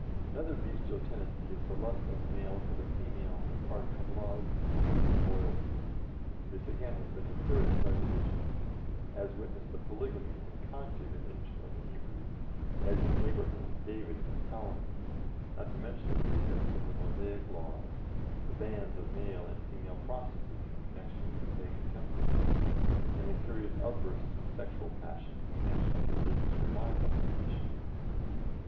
Another bestial tendency is the lust of the male for the female apart from love, duty, and loyalty; this again has been encouraged by religion, as witness the polygamy and concubinage of the Hebrews as in Abraham, David, and Solomon, not to mention the precepts of the Mosaic laws the bands of male and female prostitutes in connection with Pagan temples, and the curious outbursts of sexual passion in connection with religious revivals and missions.